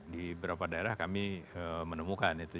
di beberapa daerah kami menemukan itu